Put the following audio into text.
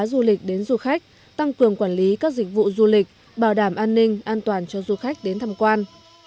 giúp các du lịch đến du khách tăng cường quản lý các dịch vụ du lịch bảo đảm an ninh an toàn cho du khách đến tham quan